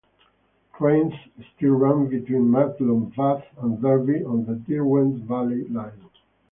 Trains still run between Matlock Bath and Derby on the Derwent Valley Line.